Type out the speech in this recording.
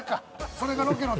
それがロケの鉄則。